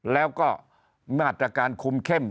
แล้วก็มาตรการคุมเข้ม